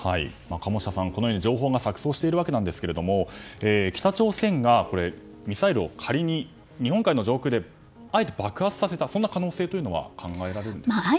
鴨下さん、このように情報が錯綜しているわけですが北朝鮮がミサイルを仮に日本海の上空であえて爆発させた可能性は考えられるんでしょうか。